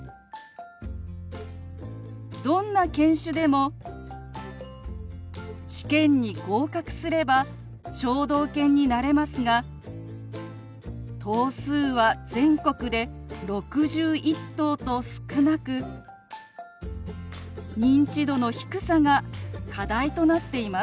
どんな犬種でも試験に合格すれば聴導犬になれますが頭数は全国で６１頭と少なく認知度の低さが課題となっています。